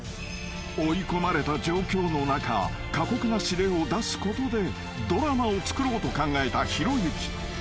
［追い込まれた状況の中過酷な指令を出すことでドラマを作ろうと考えたひろゆき］